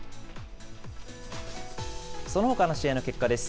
そのほかの試合の結果です。